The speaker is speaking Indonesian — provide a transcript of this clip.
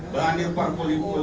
banir pak kulipan